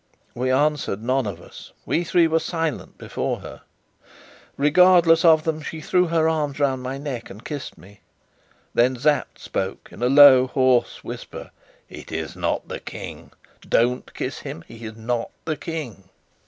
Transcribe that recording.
We answered none of us; we three were silent before her. Regardless of them, she threw her arms round my neck and kissed me. Then Sapt spoke in a low hoarse whisper: "It is not the King. Don't kiss him; he's not the King."